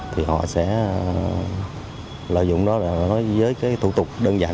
thì họ sẽ lợi dụng đó là nói với cái thủ tục đơn giản